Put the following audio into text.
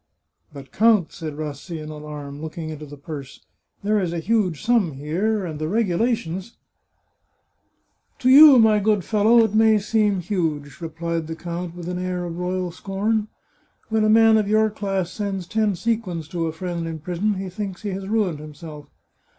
" But, count," said Rassi in alarm, looking into the purse, " there is a huge sum here, and the regulations " 319 The Chartreuse of Parma " To you, my good fellow, it may seem huge," replied the count, with an air of royal scorn. " When a man of your class sends ten sequins to a friend in prison he thinks he has ruined himself.